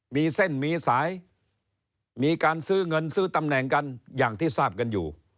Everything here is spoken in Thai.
มีเส้นมีสายมีการซื้อเงินซื้อตำแหน่งกันอย่างที่ทราบกันอยู่